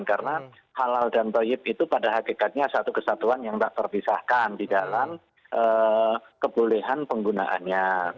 karena halal dan bayib itu pada hakikatnya satu kesatuan yang tak terpisahkan di dalam kebolehan penggunaannya